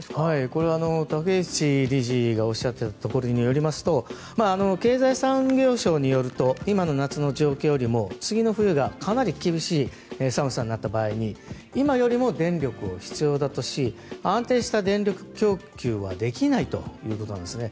これ、竹内理事がおっしゃっていたところによりますと経済産業省によると今の夏の状況よりも次の冬がかなり厳しい寒さになった場合に今よりも電力を必要だとし安定した電力供給はできないということなんですね。